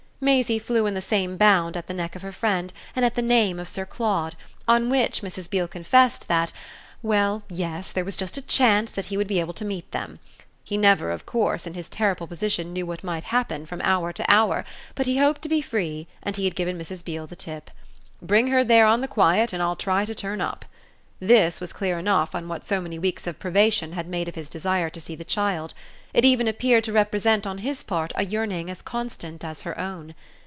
Maisie flew in the same bound at the neck of her friend and at the name of Sir Claude, on which Mrs. Beale confessed that well, yes, there was just a chance that he would be able to meet them. He never of course, in his terrible position, knew what might happen from hour to hour; but he hoped to be free and he had given Mrs. Beale the tip. "Bring her there on the quiet and I'll try to turn up" this was clear enough on what so many weeks of privation had made of his desire to see the child: it even appeared to represent on his part a yearning as constant as her own.